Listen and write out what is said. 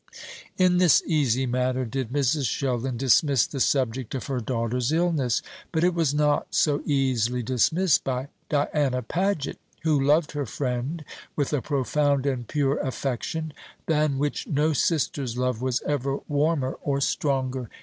In this easy manner did Mrs. Sheldon dismiss the subject of her daughter's illness. But it was not so easily dismissed by Diana Paget, who loved her friend with a profound and pure affection, than which no sister's love was ever warmer or stronger.